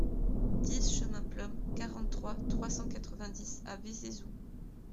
dix chemin Plom, quarante-trois, trois cent quatre-vingt-dix à Vézézoux